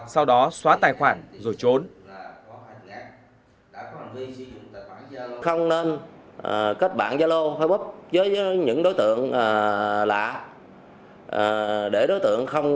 sau đó xóa tài khoản rồi trốn